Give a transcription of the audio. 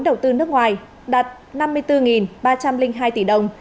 đầu tư nước ngoài đạt năm mươi bốn ba trăm linh hai tỷ đồng